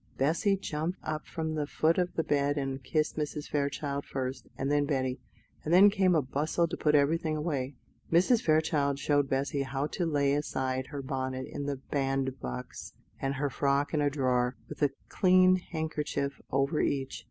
Bessy jumped up from the foot of the bed and kissed Mrs. Fairchild first, and then Betty; and then came a bustle to put everything away. Mrs. Fairchild showed Bessy how to lay aside her bonnet in the bandbox, and her frock in a drawer, with a clean handkerchief over each.